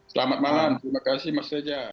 selamat malam terima kasih mas reza